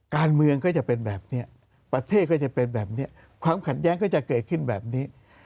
การเมืองก็จะเป็นแบบนี้ประเทศก็จะเป็นแบบนี้ความขัดแย้งก็จะเกิดขึ้นแบบนี้